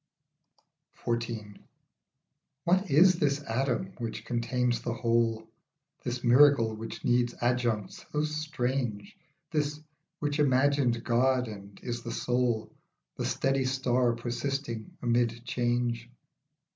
XIV. WHAT is this atom which contains the whole, This miracle which needs adjuncts so strange, This, which imagined God and is the soul, The steady star persisting amid change